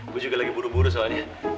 gue juga lagi buru buru soalnya